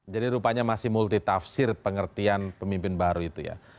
jadi rupanya masih multitafsir pengertian pemimpin baru itu ya